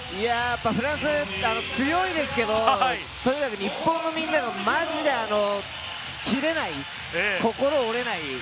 フランス、強いですけれども、とにかく日本のみんながマジで切れない、心折れない。